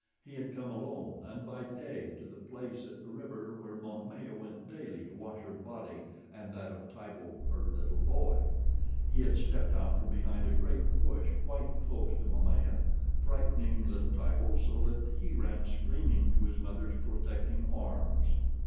He had come alone and by day to the place at the river where Momaya went daily to wash her body and that of Tibo, her little boy. He had stepped out from behind a great bush quite close to Momaya, frightening little Tibo so that he ran screaming to his mother's protecting arms.